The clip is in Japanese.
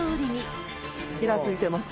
いらついてます。